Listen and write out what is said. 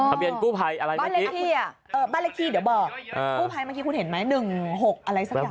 ทะเบียนกู้ไพอะไรมักคิดอ่ะบ้านเลขที่เดี๋ยวบอกมักคิดคุณเห็นมั้ย๑๖อะไรสักอย่าง